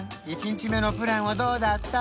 １日目のプランはどうだった？